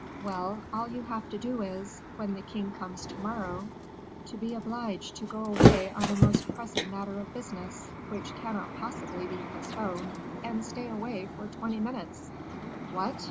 "Well, all you have to do is, when the king comes to morrow, to be obliged to go away on a most pressing matter of business, which cannot possibly be postponed, and stay away for twenty minutes." "What!